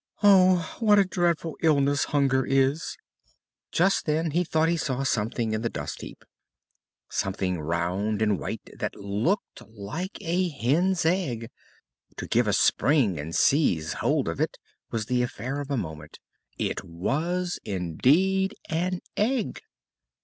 Oh! what a dreadful illness hunger is!" Just then he thought he saw something in the dust heap something round and white that looked like a hen's egg. To give a spring and seize hold of it was the affair of a moment. It was indeed an egg.